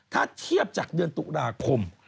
ถ้าเทียบจากเดือนตุลาคม